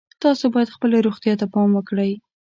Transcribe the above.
تاسو باید خپلې روغتیا ته پام وکړئ